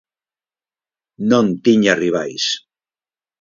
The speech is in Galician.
Non tiña rivais.